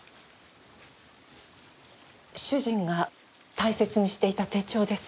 主人が大切にしていた手帳です。